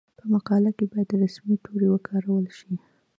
په مقاله کې باید رسمي توري وکارول شي.